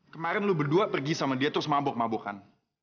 kemarin lo berdua pergi sama dia terus mabok mabokan